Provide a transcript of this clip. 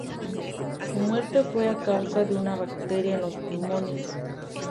Su muerte fue a causa de una bacteria en los pulmones.